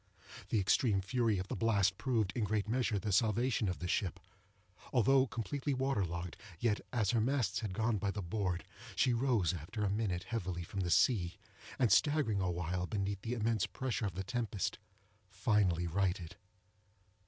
The extreme fury of the blast proved, in a great measure, the salvation of the ship. Although completely water logged, yet, as her masts had gone by the board, she rose, after a minute, heavily from the sea, and, staggering awhile beneath the immense pressure of the tempest, finally righted.